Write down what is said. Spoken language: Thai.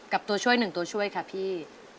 ตัวช่วย๑ตัวช่วยค่ะพี่